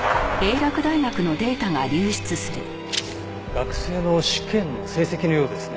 学生の試験の成績のようですね。